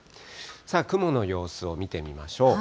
雲の様子を見てみましょう。